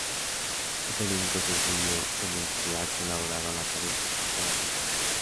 Es el único sencillo en el que ha colaborado la pareja hasta la fecha.